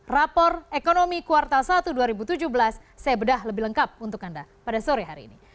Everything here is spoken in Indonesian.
rapor ekonomi kuartal satu dua ribu tujuh belas saya bedah lebih lengkap untuk anda pada sore hari ini